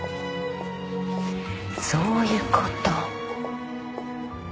そういうこと。